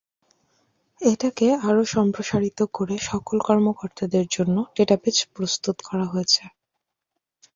এটাকে আরও সম্প্রসারিত করে সকল কর্মকর্তাদের জন্য ডেটাবেজ প্রস্তুত করা হয়েছে।